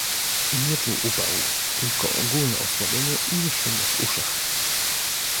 "Nie czuł upału, tylko ogólne osłabienie i szum w uszach."